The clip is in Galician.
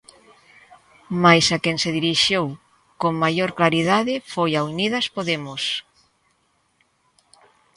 Mais a quen se dirixiu con maior claridade foi a Unidas Podemos.